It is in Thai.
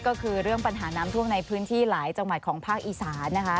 ก็คือเรื่องปัญหาน้ำท่วมในพื้นที่หลายจังหวัดของภาคอีสานนะคะ